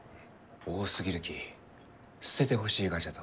多すぎるき捨ててほしいがじゃと。